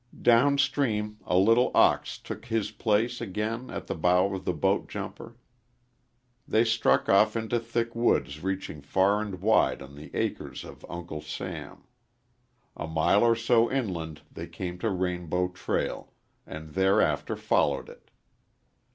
Down stream a little the ox took his place again at the bow of the boat jumper. They struck off into thick woods reaching far and wide on the acres of Uncle Sam. A mile or so inland they came to Rainbow Trail, and thereafter followed it.